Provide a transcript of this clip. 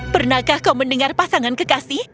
pernahkah kau mendengar pasangan kekasih